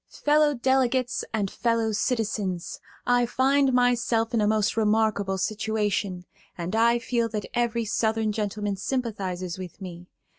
"Fellow Delegates and Fellow Citizens: I find myself in a most remarkable situation, and I feel that every Southern gentleman sympathizes with me.